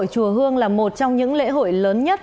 lễ hội chùa hương là một trong những lễ hội lớn nhất